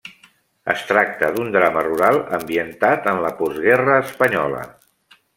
Es tracta d'un drama rural ambientat en la postguerra espanyola.